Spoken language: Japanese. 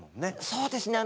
そうですね。